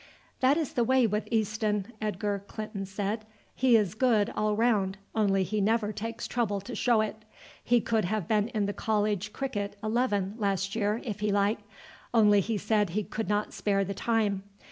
"That is the way with Easton," Edgar Clinton said; "he is good all round, only he never takes trouble to show it. He could have been in the college cricket eleven last year if he liked, only he said he could not spare the time.